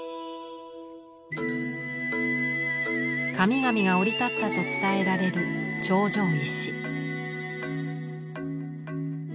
神々が降り立ったと伝えられる頂上石。